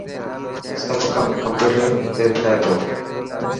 سب ڪم ڪمپيوٽر تي ٿي تو.